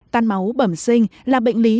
tan máu bẩm sinh là bệnh viện